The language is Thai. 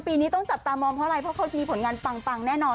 ปีนี้ต้องจับตามองเพราะอะไรเพราะเขามีผลงานปังแน่นอน